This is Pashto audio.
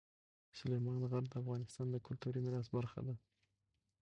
سلیمان غر د افغانستان د کلتوري میراث برخه ده.